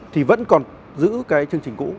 thì vẫn còn giữ cái chương trình cũ